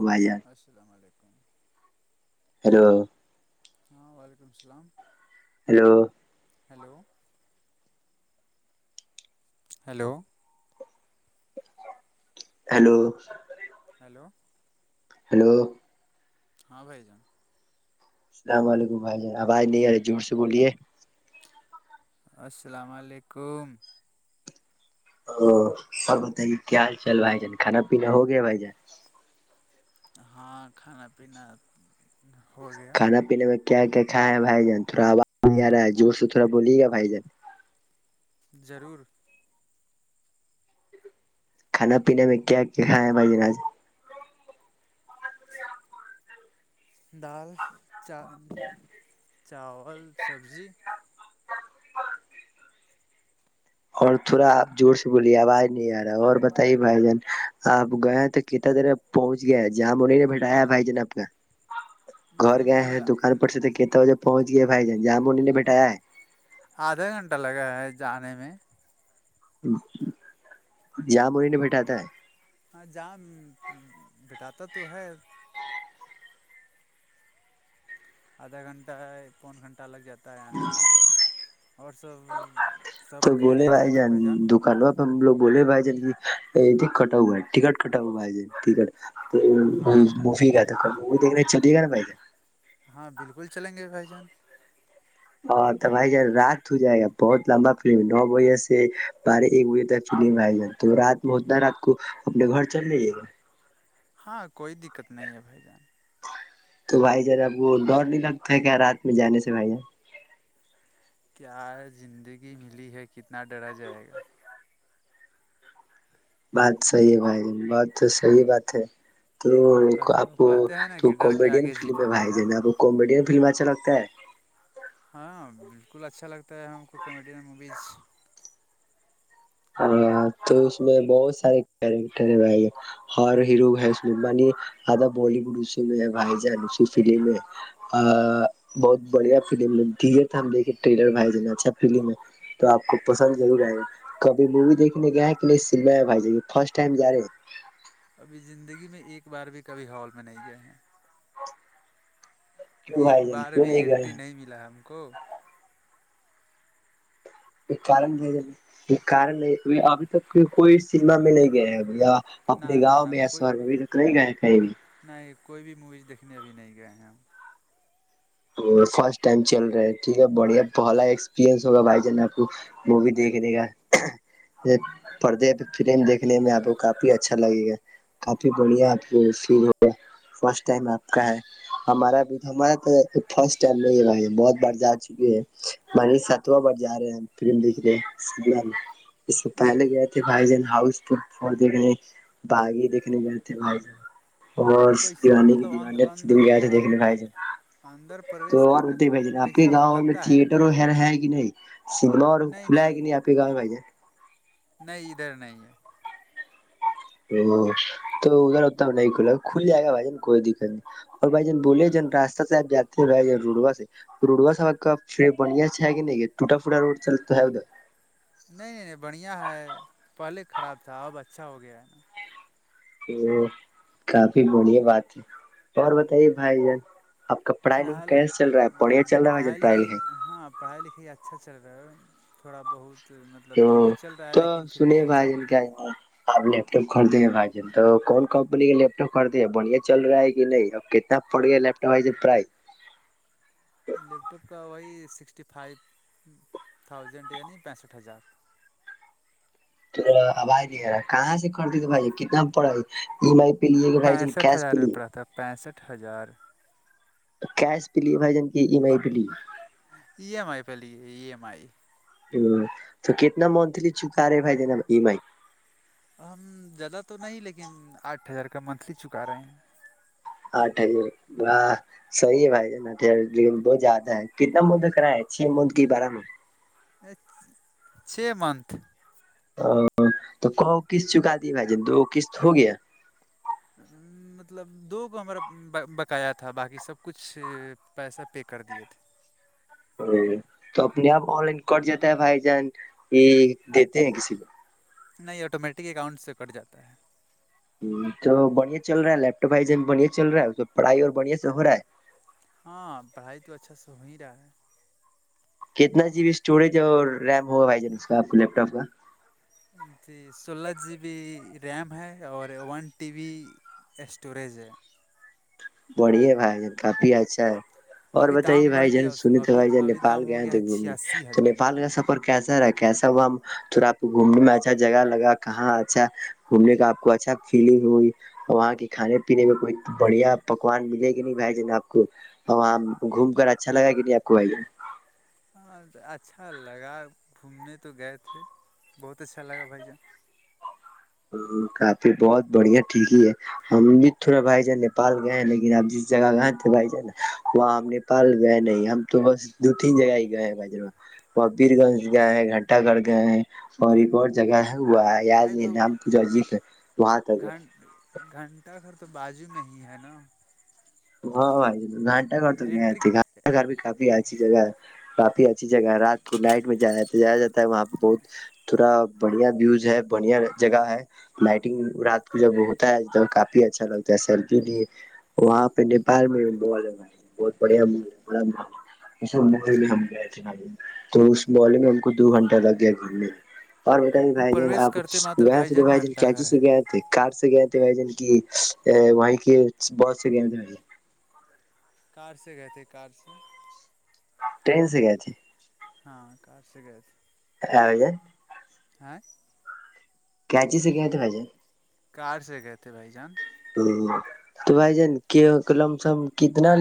ہوا جار السلام علیکم ہیلو ہاں وعلیکم السلام hello hello hello hello hello hello ہاں بائی جان اللام علیکم بھائی آج نہیں آ جوہور سے بولیے السلام علیکم ا اور بتائیے کیا حال چال بھائی جان کانا پینا ہو گیا بھائی جان ہاں کھانا پینا ہو گیا کھانا پینے میں کیا کیا کھائے ہے بھائی جان تھوڑا آواز نہیں آ رہا ہے جوور سے تھوا بلی گا بھائی جان ضرور کھانا پینے میں کیا کیا کھائے ہیں بھائی ج آج دال چا چاول سبزی اور تھوڑا آپ زور سے بولیے آواز نہیں آ رہا ہے اور بتائیے بھائی جان آپ گئے تو کتنا دیر پہنچ گیا ہے جام انہیں نے بٹھایا بھائی جناب کا گھر مطلب گئے ہیں دکان پر سے تو کتنے بجے پہنچ گئے بھائی جان جام انہ نے بیٹھایا ہے آدھا گھنٹہ لگا ہے جانے میں جاں بہ نہیں بیٹھاتا ہے ہاں جام بٹاتا تو ہے آدھا گھنٹہ پون گھنٹہ لگ جاتا ہے تارنے میں اور سب سب تو بولے خیرییت ہے بھائی نا جان بھجن دکانوں ہم لوگ بولے بائ جے کہ کٹاؤو ہے تکٹ کٹاؤ بائے تکٹ تو ہاں موی گ تھا موی دیکھنے چولیے گا نا ب ہاں بالکل چلیں گے بھائی جان اور تو بھائی جان رات ہو جائے گا بہت لمبا فلم نو بجے سے بارہ ایک بجے تک فلم ہےائی جان تو رات میں اتنا رات کو اپنے گھر چل لیجے گا ہاں کوئی دقت نہیں ہے بھائی جان تو بھائی جراب وہ ڈر نہیں لگتا ہے کیا رات میں جانے سے بھائی کیا زندگی ملی ہے کتنا ڈرا جائے گا بات صحی ہے بھائی ج بات تو صحیح بات ہے تو آپ کہتے ہیں نا تو کہ ڈر کے کامیڈین آگے فلم جیت ہے بھائی ج جان ناپ کامیڈین فلم اچھا لگتا ہے ہاں بالکل اچھا لگتا ہے ہم کو کامیڈین موویز ارے تو اس میں بہت سارے کیریکٹر ہر ہیروش مانی آدا بالیوڈ اسی میں بھائی جان اسی فلم ہے بہت بڑھیا فلم ہم دیکے ٹلر بھائی ج اچھا فلم ہے تو آپ کو پسند ضرور آئے گا کبھی مووی دیکنے گیا کہ نہیں سم ہے بھائی ج فرسٹ ٹائم جا رہے ہیں ابھی زندگی میں ایک بار بھی کبھی ہال میں نہیں گئے ہیں کیوں ایک بھائی جان بار کیوں بھی نہیں گئے انینٹری ہیں نہیں ملا ہے ہم کو کارن د یہ کارن نہیں ابھی تک کوئی سیما میں نہیں گیا ہے بھیا نہ اپنے نہ گاؤں میں یا سور میں بھی تو نہیں گئے کہیں بھی نہیں یہ کوئی بھی موویز دیکھنے ابھی نہیں گئے ہیں ہم فرسٹ ٹائم چل رہا ہے ٹھیک ہے بڑھیا بھلا ایکسپرینس ہوگا بھائی جان آپ کو وہ بھی دیکھے دیکھا پردی فلم دیکھنے میں آپ کو کافی اچھا لگے گا کافی بڑھیا آپ س ہو فرسٹ ٹائم آپ کا ہے ہمارا بھی تو ہمار فرسٹ ٹائم نہیں ہے بھائی بہت بڑ جا چکی ہے بنی ستواں بڑ جا رہے ہیں فم دھ رہے س اس سے پہلے گئے تھ بھائی جان ہاؤ ف دنے بغی دنے جے بائی ج اور کوئی دیوانی مطلب دیوان اچھ دن اندر گیا تھ دیکھنےھائی [unintelligible] اندر [inaudible] تو اور کرنے ہوتے پر بھ ج آپ کے کیسا گاؤں میں لگتا ہے تھئیٹر و ہے کہ نہیں سم اور کھلا ہے کہ نہیں آ کے گاؤ میں پ جے نہیں ادھر نہیں ہے ا تو ادھر اتب نہیں کھلا کھلی جائے گا بھائی کوئی د اور بھائی جان بولے جن راستہ سے آپ جاتے ہیں بھائی جن روڑوا سے روڈوا سا کا بڑیا سے ہے کہ نہیں یہ ٹوٹا فوٹا روڈ چلتا ہے ادھر نہیں نہیں نہیں بڑھیا ہے پہلے خراب تھا اب اچھا ہو گیا ہے نا [unintelligible] تو کافی بڑیا بات ہے اور بتائیے بھائی جان آپ فی کاڑھائی لکھے الحال کیس چ رہا پڑیا چ رہا ہے پڑھائی لکھائی پڑھائی لکھائی اچھا چل رہا تھوڑا بہت مطلب ا دھیمی چل رہا ہے تو لیکن پھر سنی بھی بھائی اچھا جن کیا یہ [unintelligible] آپ لیپ ٹاپ خریدی ہیں بھائی ج تو کون کمپنی کا لیپ ٹاپ خریدے ہیں بڑھیا چل رہا ہے کہ نہیں اب ک پڑ گیا لیپٹاپ وے پرائے لیپ ٹاپ کا وہی سکسٹی فائیو تھاؤزینڈ یعنی پینسٹھ ہزار آبھائی نہیں ا کہاں سے کرتی تو بھائی کتنا پڑا ای ایم آئی پہ لیے کہ بھ پینسٹھ کیش ہزار پہ میں لیے پڑا تھا پینسٹھ ہزار کیش پہ لیے بھائی جان کے ای ایم آئی پہ لیے ای ایم آئی پہ لیے ای ایم آئی ہ تو کتنا منتھلی چکا رہے بھائی جناب ای ایم آئی ہم زیادہ تو نہیں لیکن آٹھ ہزار کا منتھلی چکا رہے ہیں آٹھ ہزار و صحی ہے بھائی جٹار بہت زیادہ ہے کتنا مد کرا ہے چھ مد کی بارہ میں چھ منتھ ا تو کو کسط چکا دی بھائی ج دو کسط ہو گیا مطلب دو گو ہمارا بکایا تھا باقی سب کچھ پیسہ پے کر دیے تھے ا تو اپنے آپ آن لائن کٹ جاتا ہے بھائی جان یہ دیتے ہیں کسی کو نہیں آٹومیٹکلی اکاؤنٹ سے کٹ جاتا ہے تو بڑھیا چل رہا ہے لیپٹاپ بائی جن بڑیا چل رہا ہے تو پڑھائی اور بڑھیا سے ہو رہا ہے ہاں پڑھائی تو اچھا سے ہو ہی رہا ہے کتنا جی بی اسٹوریج اور ریم ہوگا بھائی جان اس کا آپ کو لیپ ٹاپ کا جی سولہ جی بی ریم ہے اور ون ٹی بی اسٹوریج ہے بڑیے بھائی جن کافی اچھا ہے اور ابھی بتائیے دام بڑھ بھائی جان گیا اس سنی کا تھے ابھی بھائی جان ابھی نیپال دام ہو گئے گیا تھے ہے گھومنے چھیاسی تو ہزار نیپال کا سب کیسا رہا کیسا ہوا تھڑاپ گھومنے میں اچھا جگہ لگا کہاں اچھا گھومنے کا آپ کو اچھا فیلگ ہوئی اور وہاں کے کھانے پینے میں کوئی بڑھیا پکوان ملے کہ نہیں بھائی جینا آپ کو وہاں گھوم کر اچھا لگا کہ نہیں آپ کو بھائی جا ہاں اچھا لگا گھومنے تو گئے تھے بہت اچھا لگا بھائی جان ہ کافی بہت بڑھیا ٹھیک ہی ہے ہم بھی تھا بھائی جان نیپال گئے ہیں لیکن آپ جس جگہ گئے تھے بھائی جان وہاں ہم نے پال گئے نہیں ہم تو بس دو تین جگہ ہی گئے ہیں بھائیر کبیر گنج گئے ہیں گھنٹا گڑھ گئے ہیں اور ایک اور جگہ ہے وہ یاد ارے نہیں تو نام پوجا جی وہاں تک گھن گھنٹہ گھر تو بازو میں ہی ہے نا ہاں بھائی گھانٹہ گھر تو گیا انٹری تھ گانٹا گھر بھی کافی اچھی جگہ ہے کافی اچھی جگہ ہے رات کو نائٹ میں جایا جا جا ہے وہاں پہ بہت تھوڑا بڑھیا ویوز ہے بڑھیا جگہ ہے نائٹنگ رات کو جب ہوتا ہے تو کافی اچھا لگتا ہے سر کے لیے وہاں نپال میں م ہے بھائی بہت بڑیا مول ہے بڑا مول ہے یہ س محل میں ہم گئے تھے بھائی تو اس محلے میں ان کو دو گھنٹہ لگ گیا گھرنے اور بیٹا بھی وہ بھائی ج پرویش آپ کرتے ماتر بھائی گ جان بھائیچی گھنٹہ گھر ہے کار سے گئے تھے بھائی جن کی وہیں کے بس سے گئے تھے بھائی کار سے گئے تھے کار سے ٹن سے گئے تھے ہاں کار سے گے تھے ہاں [unintelligible] [unintelligible] کیاچ سے کیا تھے بجے کار سے گئے تھے بھائی جان [unintelligible] تو بھائی جان کے لم سم کتنا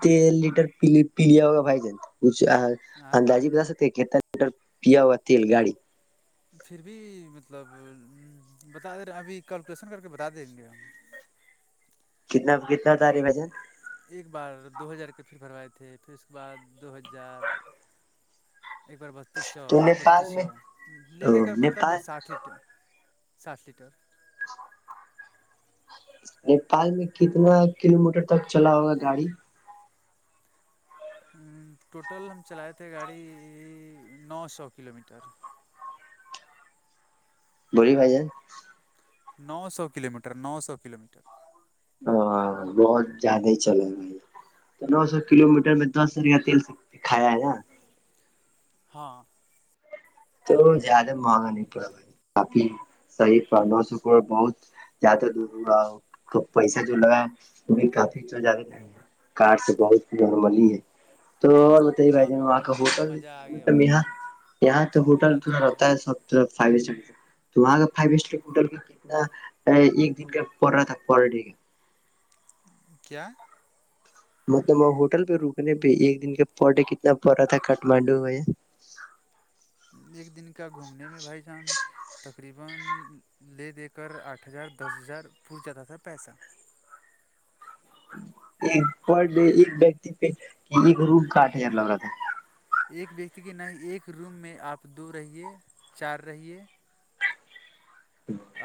ت لیٹر پی لیا ہوگا بھائی جان آئیں اندازی بتا سکتے کتنا لیٹر پیا ہوا تیل گاڑی پھر بھی مطلب بتا دے رہے ہیں ابھی کیلکولیشن کر کے بتا دیں گے ہم کتنا کتنا تارے بھائی جان ایک بار دو ہزار کے پھر بھروائے تھے پھر اس کے بعد دو ہار بجار ایک بار بتیس سو تو پھر بتیس نیپال میں سو لے دے کر مطلب نیپال ساٹھ ٹھیکٹر ساات لیٹر [unintelligible] نیپال میں کتنا کلو میٹر تک چلا ہوگا گاڑی ٹوٹل ہم چلائے تھے گاڑی نو سو کلو میٹر بولی بھائی نو سو کلو میٹر نو سو کلو میٹر ہاں بہت زیادہ ہی چلاے بھائی تو نو سو کلو میٹر میں دس سو روپیہ تی سھایا ہے نا ہاں تو زیادہ مہنگا نہیں پڑا کافی صحیح بہت زیادہ دور پیسہ جو لگا ہے وہ بھی کافی تو زیادہ نہیں کاٹ سے بہت نملی ہے تو بھائی پہ وہاں کا گھومنے میں مزہ آ گیا ہوٹللب بھائی یہاں جان یہاں سب تو سے بڑی ہوٹل بات تھوڑا یہ رہتا ہے سب فائی تو وہاں کا فائیو اسٹار ہوٹل کا کتنا ایک دن کا پڑ رہا تھا پر ڈے کا کیا مطلب وہ ہوٹل پہ رکنے پہ ایک دن کے پڈے کتنا پڑ رہا تھا کاھمانڈو میں ایک دن کا گھومنے میں بھائی جانک [inaudible] ایک پر ڈے ایک ویکتی پہ ایک روم کا آٹھ ہزار لگ رہا تھا ایک ویکتی کے نہیں ایک روم میں آپ دو رہیے چار رہیے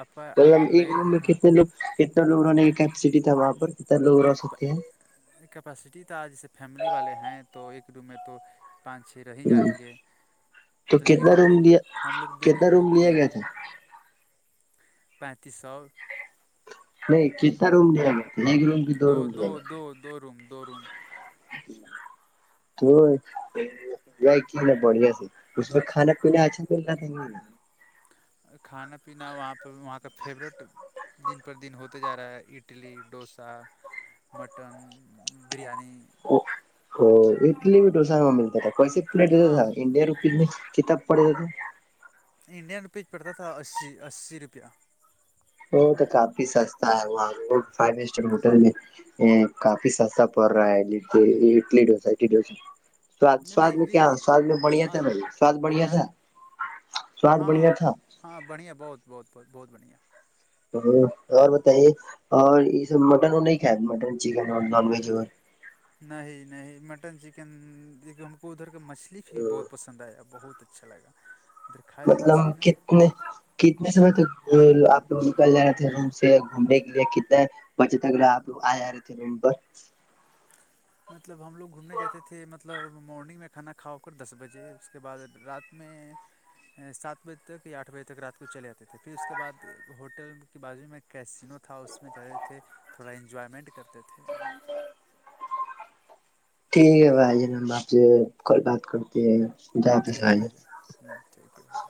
آپ کا تو یہ لگے میں ہاں کتنے لوگ کتنا لوگ رہنے کا کیپیسٹی تھا وہاں پر کتنا لوگ رہ سکتے ہیں کیپیسٹی تھا جیسے فیملی والے ہیں تو ایک دو میں تو پانچ چھ رہ ہی ہ جائیں گے تو لیکن کتنا ہم روم لوگ لیا ہم لوگ دو کتنا روم بک لیا کیے گیا تھے تھا پینتیس سو نہیں کتنا روم لیا گ ایک روم کی دو روم لے دو دو روم دو روم [inaudible] تو یہ بڑھیا سے اس میں کھانا پینا اچھا مل رہا تھا ہے نا کھانا پینا وہاں پہ وہاں کا فیورورٹ دن پر دن ہوتا جارا ہے اٹلی ڈوسا مٹن بریانی اڈلی بھی ڈوسا میں ملتا تھا کوس پلیٹ دیتا ہاں تھا انڈ رپ کتاب پڑے گے انڈینوپیج پڑتا تھا اسی اسی روپیہ وہ تو کافی سستا ہے وہاں فائیو اسٹار ہوٹل میں ا کافی سستا پر رہا ہے لی ڈس ڈس سواد نہیں سواد نہیں میں کیا اڈلی سواد میں بڑھیا تھا بھائی سواد بڑھیا ہاں تھا سواد بڑھیا ہاں تھا ہاں بڑھیا بہت بہت بہت بہت بڑھیا اور بتائیے اور یہ سب مٹن وہ نہیں کھایا مٹن چکن اور نان ویج اور نہیں نہیں مٹن چکن ہم کو ادھر کا مچھلی بھی بہت پسند ند آیا بہت اچھا لگا کھائے تھے مطلب مچھلی نا کت کتنے سمے تک آپ لوگ نکل جا رہے تھے روم سے گھومنے کے لیے کتنے بچے اگر آپ آ رہے تھے ر پر مطلب ہم لوگ گھومنے جاتے تھے مطلب مارننگ میں کھانا کھا ہو کر دس بجے اس کے بعد رات میں سات بجے تک یا آٹھ بجے تک رات کو چلے جاتے تھے پھر اس کے بعد ہوٹل کے بازو میں کیسینو تھا اس میں رہے تھے تھوڑا انجوائمنٹ کرتے تھے ٹھیک ہے بھائی ج آپ سے کل بات کر اہ پیسہ ٹھیک ہے بھائی جان [unintelligible] ہوں ٹھیک ہے بھائیر